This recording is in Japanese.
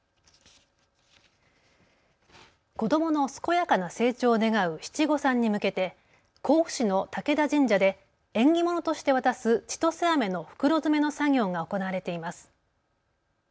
子どもの健やかな成長を願う七五三に向けて甲府市の武田神社で縁起物として渡すちとせあめの袋詰めの作業が行われています。